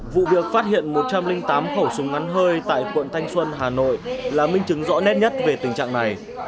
vụ việc phát hiện một trăm linh tám khẩu súng ngắn hơi tại quận thanh xuân hà nội là minh chứng rõ nét nhất về tình trạng này